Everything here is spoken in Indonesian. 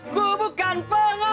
aku bukan pengomici